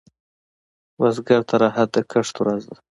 بزګر ته راحت د کښت ورځ ده